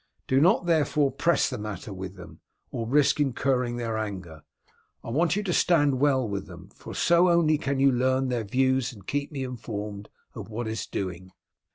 Do not, therefore, press the matter with them, or risk incurring their anger. I want you to stand well with them, for so only can you learn their views and keep me informed of what is doing.